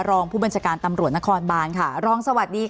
รองผู้บัญชาการตำรวจนครบานค่ะรองสวัสดีค่ะ